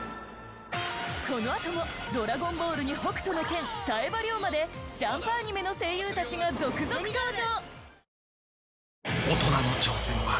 このあとも『ドラゴンボール』に『北斗の拳』冴羽まで『ジャンプ』アニメの声優たちが続々登場！